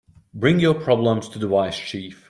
Bring your problems to the wise chief.